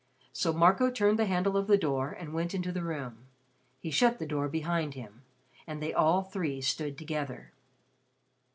So Marco turned the handle of the door and went into the room. He shut the door behind him, and they all three stood together.